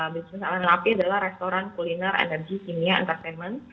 bisnis elemen api adalah restoran kuliner energi kimia dan teknologi